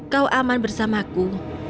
kau aman bersamaku